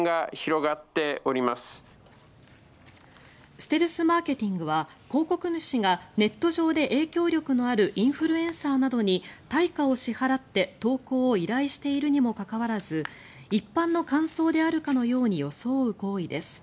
ステルスマーケティングは広告主がネット上で影響力のあるインフルエンサーなどに対価を支払って、投稿を依頼しているにもかかわらず一般の感想であるかのように装う行為です。